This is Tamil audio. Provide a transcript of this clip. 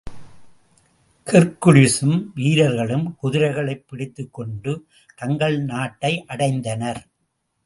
ஹெர்க்குலிஸும், வீரர்களும் குதிரைகளைப் பிடித்துக்கொண்டு, தங்கள் நாட்டை அடைந்தனர்.